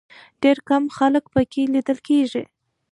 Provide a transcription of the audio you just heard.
ډېر کم خلک په کې لیدل کېږي.